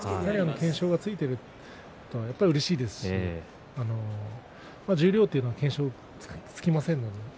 懸賞がついてるとやっぱりうれしいですし十両というのは懸賞がつきませんからね。